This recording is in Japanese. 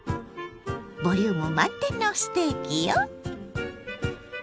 ボリューム満点のステーキよ。